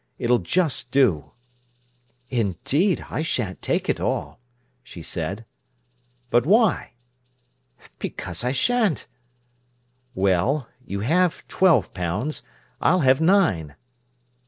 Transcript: It'll just do." "Indeed, I shan't take it all," she said. "But why?" "Because I shan't." "Well—you have twelve pounds, I'll have nine."